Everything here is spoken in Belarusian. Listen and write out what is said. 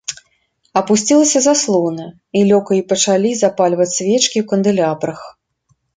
Апусцілася заслона, і лёкаі пачалі запальваць свечкі ў кандэлябрах.